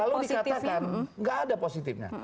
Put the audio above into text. kalau dikatakan nggak ada positifnya